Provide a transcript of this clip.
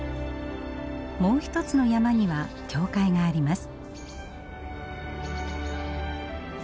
もう一つの山には教会があります。